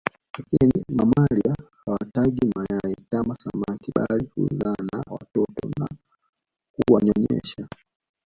Lakini ni mamalia hawatagi mayai kama samaki bali huzaa na watoto na huwanyonyesha